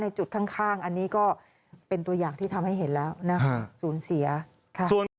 ค่ะเดี๋ยววันนี้จะพาไปพาหม้ออีก